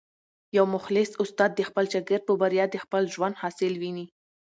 یو مخلص استاد د خپل شاګرد په بریا کي د خپل ژوند حاصل ویني.